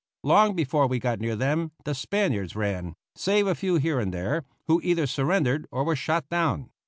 Long before we got near them the Spaniards ran, save a few here and there, who either surrendered or were shot down.